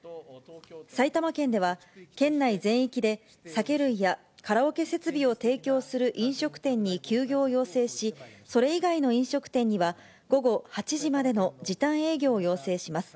埼玉県では、県内全域で酒類やカラオケ設備を提供する飲食店に休業を要請し、それ以外の飲食店には、午後８時までの時短営業を要請します。